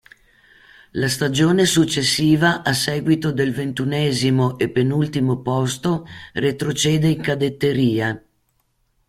La stagione successiva a seguito del ventunesimo e penultimo posto retrocede in cadetteria.